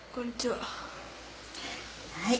はい。